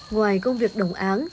ngoài công việc đồng án